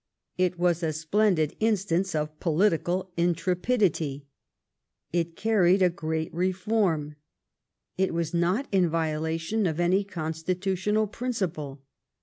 It was a splendid instance of political intrepidity. It carried a great reform. It was not in violation of any constitutional principle.